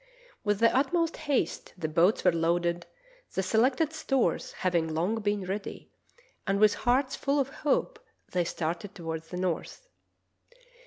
With the utmost haste the boats were loaded, the selected stores having long been ready, and with hearts full of hope they started toward the north.